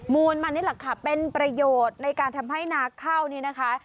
มูลมันนี่แหละค่ะเป็นประโยชน์ในการทำให้นาข้าวนี่นะคะ